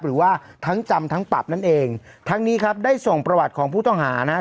หรือว่าทั้งจำทั้งปรับนั่นเองทั้งนี้ครับได้ส่งประวัติของผู้ต้องหานะครับ